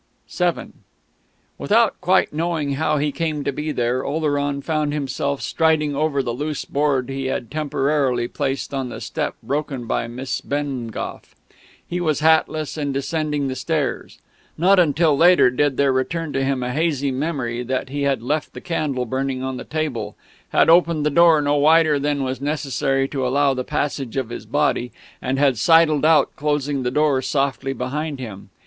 VII Without quite knowing how he came to be there Oleron found himself striding over the loose board he had temporarily placed on the step broken by Miss Bengough. He was hatless, and descending the stairs. Not until later did there return to him a hazy memory that he had left the candle burning on the table, had opened the door no wider than was necessary to allow the passage of his body, and had sidled out, closing the door softly behind him.